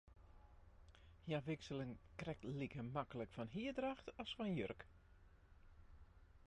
Hja wikselen krekt like maklik fan hierdracht as fan jurk.